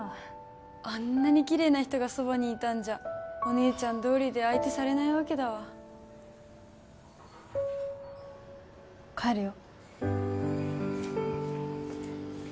あんなにきれいな人がそばにいたんじゃお姉ちゃんどうりで相手されないわけだわ帰るよ